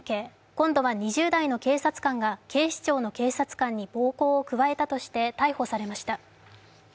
今度は２０代の警察官が警視庁の警察官に暴行を加えたとして逮捕されました。